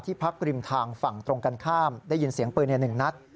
พักริมทางฝั่งตรงกันข้ามได้ยินเสียงปืน๑นัด